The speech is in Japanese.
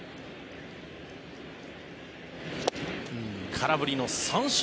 空振りの三振。